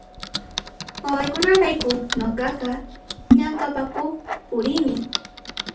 Wawaykunaraykun nuqaqa llamk'apakuq purini